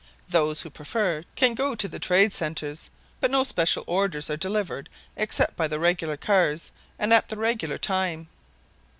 Those who prefer can go to the trade centers, but no special orders are delivered except by the regular cars and at the regular time.